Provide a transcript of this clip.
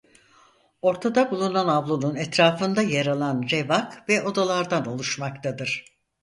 Ortada bulunan avlunun etrafında yer alan revak ve odalardan oluşmaktadır.